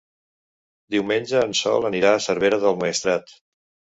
Diumenge en Sol anirà a Cervera del Maestrat.